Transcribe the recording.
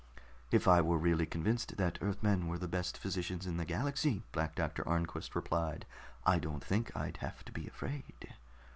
"If I were really convinced that Earthmen were the best physicians in the galaxy," Black Doctor Arnquist replied, "I don't think I'd have to be afraid."